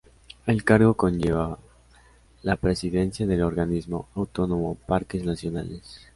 El cargo conllevaba la Presidencia del Organismo Autónomo Parques Nacionales.